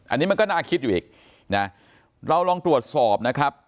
อันนี้มันก็น่าคิดอยู่อีกนะเราลองตรวจสอบนะครับ